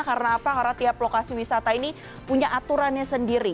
karena apa karena tiap lokasi wisata ini punya aturannya sendiri